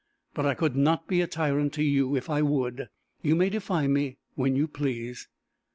But I could not be a tyrant to you if I would. You may defy me when you please."